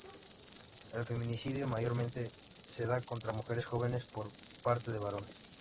El feminicidio mayormente se da contra mujeres jóvenes por parte de varones.